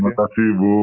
terima kasih bu